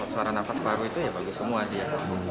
suara nafas paru itu ya bagi semua dia